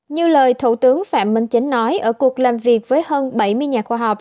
như lời thủ tướng phạm minh chính nói ở cuộc làm việc với hơn bảy mươi nhà khoa học